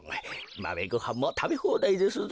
マメごはんもたべほうだいですぞ。